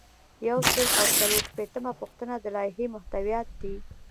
یو سل او څلور شپیتمه پوښتنه د لایحې محتویات دي.